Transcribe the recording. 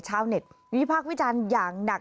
ชาวเน็ตวิพากษ์วิจารณ์อย่างหนัก